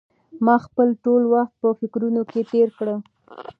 ما خپل ټول وخت په فکرونو کې تېر کړ.